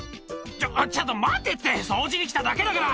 ちょっと待てって掃除に来ただけだから！